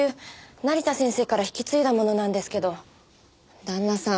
成田先生から引き継いだものなんですけど旦那さん